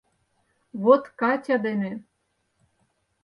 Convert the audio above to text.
Вот Катя дене...